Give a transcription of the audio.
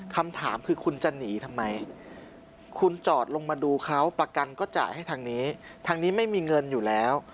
คำถามคือคุณจะหนีทำไมคุณจอดลงมาดูเขาประกันก็จ่ายให้ทางนี้ทางนี้ไม่มีเงินอยู่แล้ว